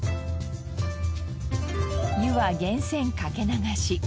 湯は源泉かけ流し。